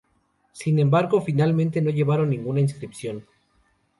Sin embargo, finalmente no llevaron ninguna inscripción.